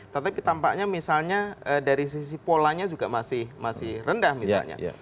tetapi tampaknya misalnya dari sisi polanya juga masih rendah misalnya